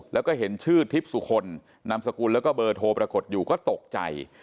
แล้วก็เห็นชื่อทิพย์สุคลนามสกุลแล้วก็เบอร์โทรปรากฏอยู่ก็ตกใจ